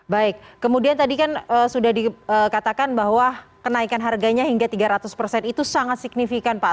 baik kemudian tadi kan sudah dikatakan bahwa kenaikan harganya hingga tiga ratus persen itu sangat signifikan pak